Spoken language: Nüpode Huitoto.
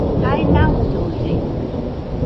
Jae nauioide